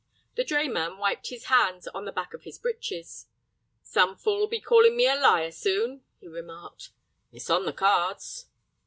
The drayman wiped his hands on the back of his breeches. "Some fool'll be callin' me a liar soon," he remarked. "It's on the cards."